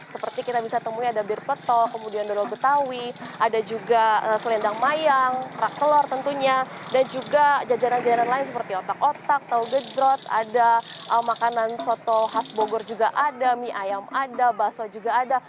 seperti kita bisa temui ada bir petol kemudian dodol betawi ada juga selendang mayang rak telur tentunya dan juga jajanan jajanan lain seperti otak otak tau gedrot ada makanan soto khas bogor juga ada mie ayam ada bakso juga ada